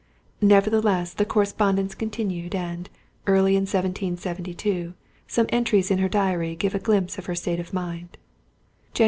Nevertheless, the correspondence continued, and, early in 1772, some entries in her diary give a glimpse of her state of mind:— _Jan.